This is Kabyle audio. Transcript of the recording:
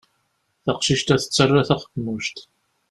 Taqcict-a tettarra taqemmuct.